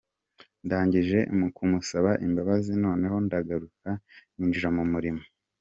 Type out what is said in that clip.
Ndangije kumusaba imbabazi noneho ndagaruka ninjira mu murimo.